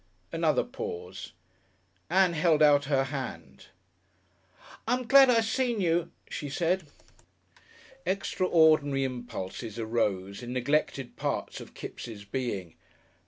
Another pause. Ann held out her hand. "I'm glad I seen you," she said. Extraordinary impulses arose in neglected parts of Kipps' being.